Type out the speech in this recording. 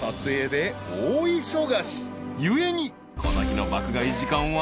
［故にこの日の爆買い時間は］